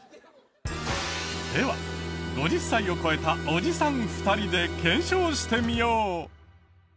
では５０歳を超えたおじさん２人で検証してみよう。